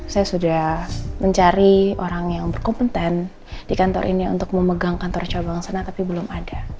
saya sudah mencari orang yang berkompeten di kantor ini untuk memegang kantor cabang sana tapi belum ada